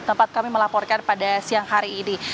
tempat kami melaporkan pada siang hari ini